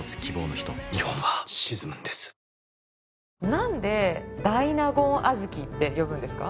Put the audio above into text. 何で大納言小豆って呼ぶんですか？